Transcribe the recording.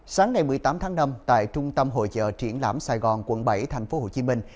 sáng ngày một mươi tám tháng năm tại trung tâm hội trợ triển lãm sài gòn quận bảy thành phố hồ chí minh